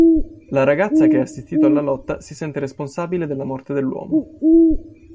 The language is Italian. La ragazza che ha assistito alla lotta, si sente responsabile della morte dell'uomo.